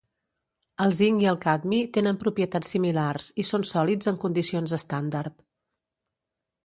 El zinc i el cadmi tenen propietats similars i són sòlids en condicions estàndard.